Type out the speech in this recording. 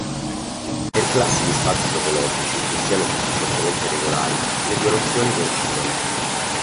Per classi di spazi topologici che siano "sufficientemente regolari", le due nozioni coincidono.